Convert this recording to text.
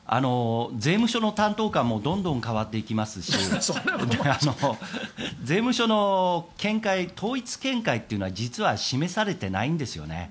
税務署の担当官もどんどん変わっていきますし税務署の統一見解というのは実は示されてないんですよね。